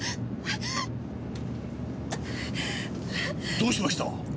どうしました？